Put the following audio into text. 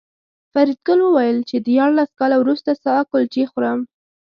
فریدګل وویل چې دیارلس کاله وروسته ستا کلچې خورم